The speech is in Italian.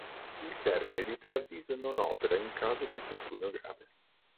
Il termine di preavviso non opera in caso di infortunio grave.